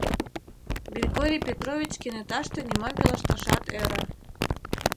Григорий Петрович кенеташте нимом пелешташат ӧрӧ.